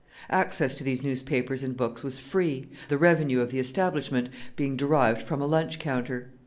Access to these newspapers and books was free, the revenue of the establishment being derived from a lunch counter.